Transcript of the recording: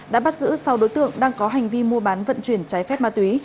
đã bắt giữ sau đối tượng đang có hành vi mua bán vận chuyển trái phép ma túy